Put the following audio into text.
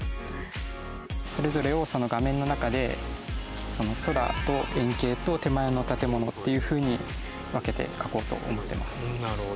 それぞれをその画面の中で空と遠景と手前の建物っていうふうに分けて描こうと思ってます。